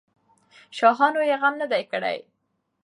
شاهانو یې غم نه دی کړی.